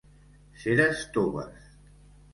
Ceres toves.